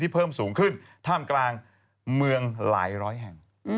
เพิ่มสูงขึ้นท่ามกลางเมืองหลายร้อยแห่ง